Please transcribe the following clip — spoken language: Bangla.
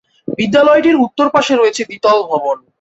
বিদ্যালয়টির উত্তর পাশে রয়েছে দ্বিতল ভবন।